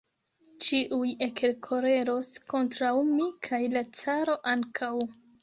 Ĉiuj ekkoleros kontraŭ mi kaj la caro ankaŭ!